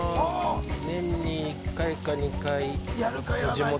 年に１回か２回。